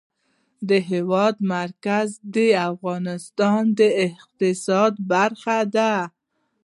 د هېواد مرکز د افغانستان د اقتصاد برخه ده.